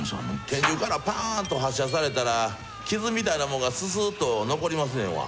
拳銃からパーンと発射されたら傷みたいなもんがススーっと残りますねんわ。